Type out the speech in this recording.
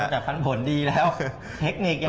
จ่ายปันผลดีแล้วเทคนิคยังดี